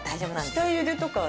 下ゆでとかは？